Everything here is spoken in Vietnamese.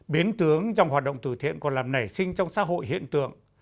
biến tướng trong hoạt động từ thiện còn làm nảy sinh trong xã hội hiện tượng